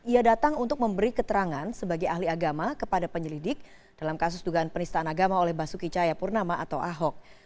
ia datang untuk memberi keterangan sebagai ahli agama kepada penyelidik dalam kasus dugaan penistaan agama oleh basuki cahayapurnama atau ahok